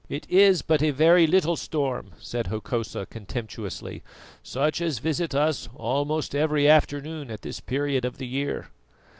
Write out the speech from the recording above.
"It is but a very little storm," said Hokosa contemptuously, "such as visit us almost every afternoon at this period of the year.